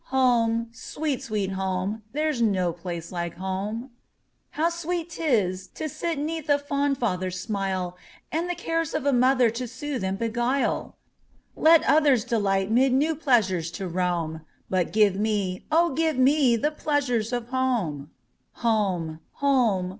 home! sweet, sweet home! There 's no place like home! How sweet 't is to sit 'neath a fond father's smile, And the cares of a mother to soothe and beguile! Let others delight mid new pleasures to roam, But give me, oh, give me, the pleasures of home! Home! home!